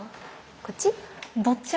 こっち？